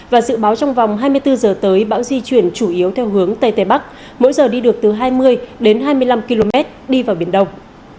và dự báo trong vòng hai mươi bốn giờ tới bão di chuyển chủ yếu theo hướng tây tây bắc mỗi giờ đi được từ hai mươi đến hai mươi năm km đi vào biển đông